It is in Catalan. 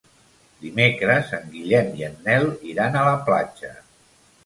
Dimecres en Guillem i en Nel iran a la platja.